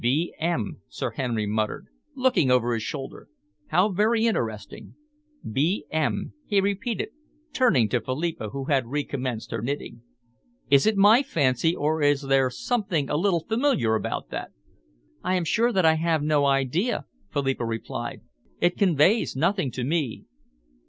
"B. M.," Sir Henry muttered, looking over his shoulder. "How very interesting! B. M.," he repeated, turning to Philippa, who had recommenced her knitting. "Is it my fancy, or is there something a little familiar about that?" "I am sure that I have no idea," Philippa replied. "It conveys nothing to me."